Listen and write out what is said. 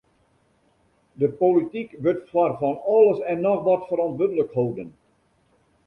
De polityk wurdt foar fan alles en noch wat ferantwurdlik holden.